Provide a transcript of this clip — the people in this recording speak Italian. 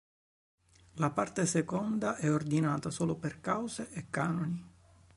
La parte seconda è ordinata solo per cause e canoni.